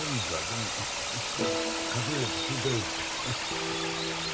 でもちょっと隠れて吸うてるんですヘヘ。